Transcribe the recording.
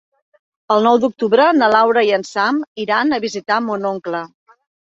El nou d'octubre na Laura i en Sam iran a visitar mon oncle.